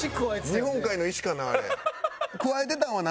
日本海の石かな？